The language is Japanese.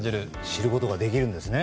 知ることができるんですね。